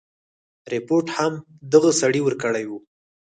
رپوټ هم دغه سړي ورکړی وو.